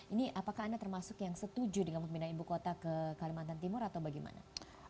ini apakah anda termasuk yang setuju dengan pembinaan ibu kota ke kalimantan timur atau bagaimana